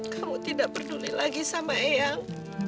kamu tidak peduli lagi sama eyang